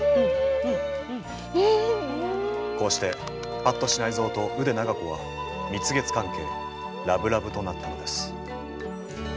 こうして八渡支内造と腕長子は蜜月関係ラブラブとなったのです。